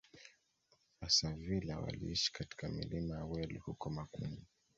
Vasavila waliishi katika milima ya Welu huko Makungu